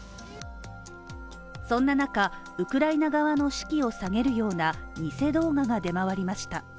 そんな中、ウクライナ側の士気を下げるような偽動画が出回りました。